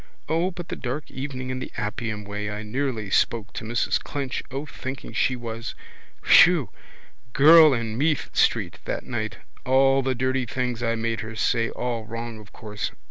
O but the dark evening in the Appian way I nearly spoke to Mrs Clinch O thinking she was. Whew! Girl in Meath street that night. All the dirty things I made her say. All wrong of course.